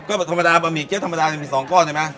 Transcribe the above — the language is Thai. ก็ภาษาปะหมี่เคียบธรรมดาอีก๒ก้อนใช่ไหม